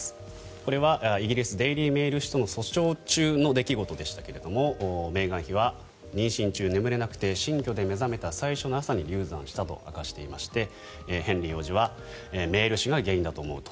これはイギリスデイリー・メール紙との訴訟中の出来事でしたがメーガン妃は妊娠中、眠れなくて新居で目覚めた最初の朝に流産したと明かしていましてヘンリー王子はメール紙が原因だと思うと。